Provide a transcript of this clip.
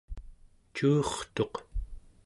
cuurtuq